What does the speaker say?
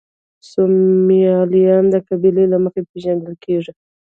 سومالیان د قبیلې له مخې پېژندل کېږي.